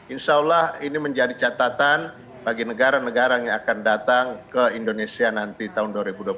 insya allah ini menjadi catatan bagi negara negara yang akan datang ke indonesia nanti tahun dua ribu dua puluh empat